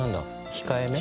控えめ？